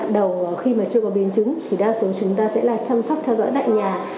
đầu khi mà chưa có biến chứng thì đa số chúng ta sẽ là chăm sóc theo dõi tại nhà